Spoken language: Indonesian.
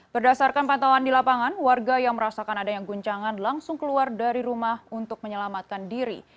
berdasarkan pantauan di lapangan warga yang merasakan adanya guncangan langsung keluar dari rumah untuk menyelamatkan diri